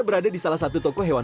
berada di salah satu toko hewan